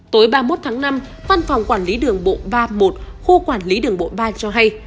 tối ba mươi một tháng năm văn phòng quản lý đường bộ ba mươi một khu quản lý đường bộ ba cho hay